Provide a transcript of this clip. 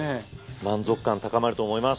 満足感高まると思います。